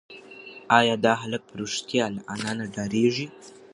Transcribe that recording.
ایا دا هلک په رښتیا له انا نه ډارېږي؟